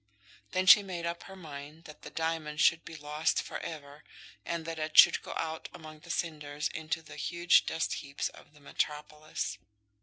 Then she made up her mind that the diamond should be lost for ever, and that it should go out among the cinders into the huge dust heaps of the metropolis.